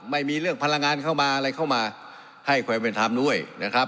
ไม่มีเรื่องพลังงานเข้ามาอะไรเข้ามาให้ความเป็นธรรมด้วยนะครับ